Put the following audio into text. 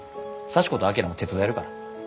サチ子と旭も手伝えるから。